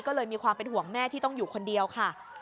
ก็เลยมีความเป็นห่วงแม่ที่ต้องอยู่คนเดียวค่ะ